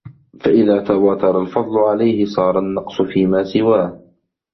فَإِذَا تَوَاتَرَ الْفَضْلُ عَلَيْهِ صَارَ النَّقْصُ فِيمَا سِوَاهُ